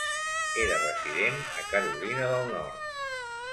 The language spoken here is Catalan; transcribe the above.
Era resident a Carolina del Nord.